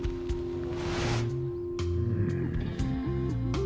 うん。